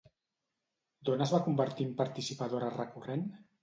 D'on es va convertir en participadora recorrent?